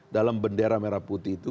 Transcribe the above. dalam bendera merah putih itu